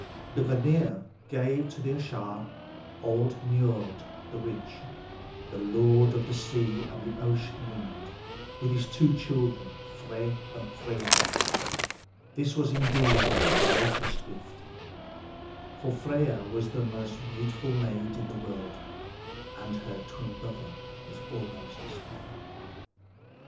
The Vanir gave to the Æsir old Niörd the rich, the lord of the sea and the ocean wind, with his two children, Frey and Freia. This was indeed a gracious gift; for Freia was the most beautiful maid in the world, and her twin brother was almost as fair.